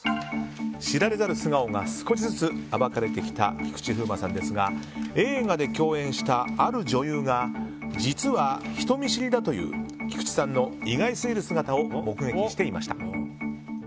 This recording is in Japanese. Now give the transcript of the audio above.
知られざる素顔が少しずつ暴かれてきた菊池風磨さんですが映画で共演したある女優が実は人見知りだという菊池さんの意外すぎる姿を目撃していました。